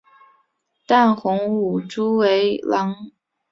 淡红舞蛛为狼蛛科舞蛛属的动物。